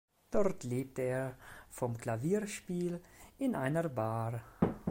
Dort lebt er vom Klavierspiel in einer Bar.